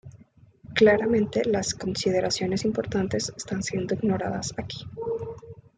Claramente, las consideraciones importantes están siendo ignorados aquí.